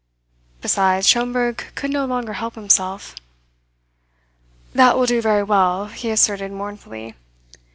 Besides, Schomberg could no longer help himself. "That will do very well," he asserted mournfully.